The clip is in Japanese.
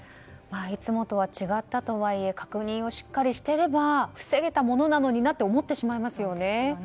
いつもとは違ったとはいえ確認をしっかりしていれば防げたものなのになと思ってしまいますよね。